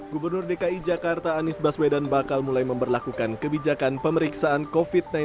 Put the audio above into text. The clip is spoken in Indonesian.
gubernur dki jakarta anies baswedan bakal mulai memperlakukan kebijakan pemeriksaan covid sembilan belas